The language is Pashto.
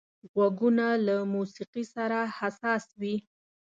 غوږونه له موسيقي سره حساس وي